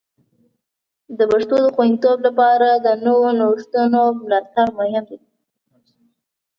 د پښتو د خوندیتوب لپاره د نوو نوښتونو ملاتړ مهم دی.